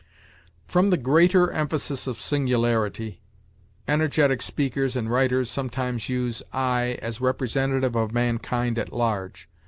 "From the greater emphasis of singularity, energetic speakers and writers sometimes use 'I' as representative of mankind at large.